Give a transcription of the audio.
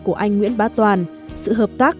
của anh nguyễn bá toàn sự hợp tác